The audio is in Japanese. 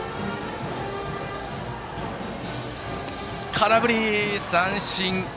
空振り三振！